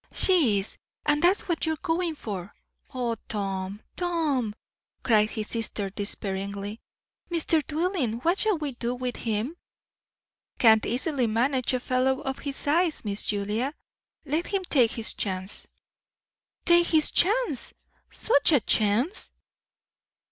"She is, and that's what you're going for. O Tom, Tom!" cried his sister despairingly. "Mr. Dillwyn, what shall we do with him?" "Can't easily manage a fellow of his size, Miss Julia. Let him take his chance." "Take his chance! Such a chance!"